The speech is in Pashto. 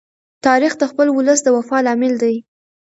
تاریخ د خپل ولس د وفا لامل دی.